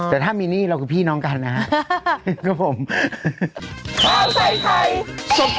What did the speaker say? แต่ถ้ามีหนี้เราคือพี่น้องกันนะครับผม